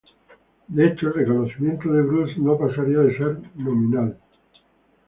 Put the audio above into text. De hecho, el reconocimiento de Bruce no pasaría de ser nominal.